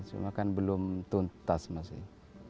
cuma kan belum tuntas masih